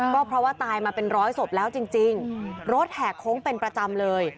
ก็เพราะว่าตายมาเป็นร้อยศพแล้วจริงรถแหกโค้งเป็นประจำเลย